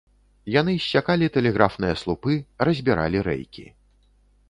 Яны ссякалі тэлеграфныя слупы, разбіралі рэйкі.